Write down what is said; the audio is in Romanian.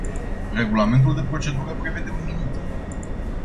Regulamentul de procedură prevede un minut.